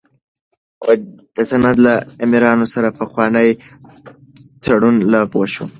د سند له امیرانو سره پخوانی تړون لغوه شو.